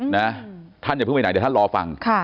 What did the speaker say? นะท่านอย่าเพิ่งไปไหนเดี๋ยวท่านรอฟัง